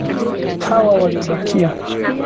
Hawa waliobakia